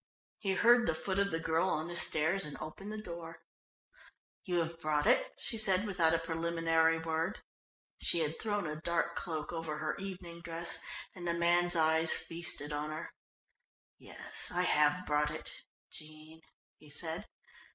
He heard the foot of the girl on the stairs, and opened the door. "You have brought it?" she said, without a preliminary word. She had thrown a dark cloak over her evening dress, and the man's eyes feasted on her. "Yes, I have brought it Jean," he said.